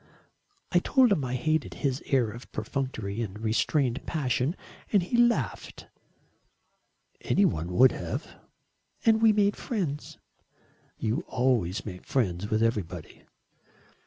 "I told him I hated his air of perfunctory but restrained passion, and he laughed." "Any one would have." "And we made friends." "You always make friends with everybody."